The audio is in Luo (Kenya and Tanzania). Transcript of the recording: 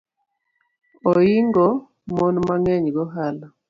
Oingo mon mang’eny gohala